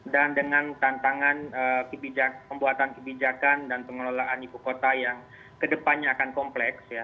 dan dengan tantangan pembuatan kebijakan dan pengelolaan ibu kota yang kedepannya akan kompleks